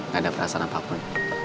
gak ada perasaan apapun